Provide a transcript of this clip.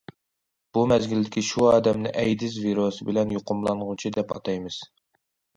بۇ مەزگىلدىكى شۇ ئادەمنى ئەيدىز ۋىرۇسى بىلەن يۇقۇملانغۇچى، دەپ ئاتايمىز.